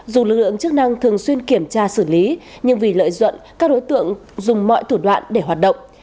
dù lực lượng chức năng thường xuyên kiểm tra xử lý nhưng vì lợi nhuận các đối tượng dùng mọi thủ đoạn để hoạt động